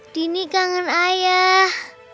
dini kangen ayah